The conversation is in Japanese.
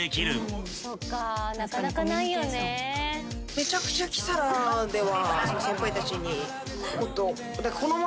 めちゃくちゃキサラでは。